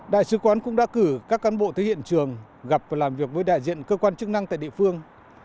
đại sứ quán cũng đã cử các cán bộ tới hiện trường gặp và làm việc với đại diện cơ quan chức năng tại địa phương